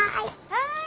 「はい」